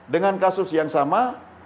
dengan kasus yang sama